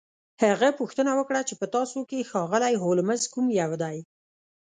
هغه پوښتنه وکړه چې په تاسو کې ښاغلی هولمز کوم یو دی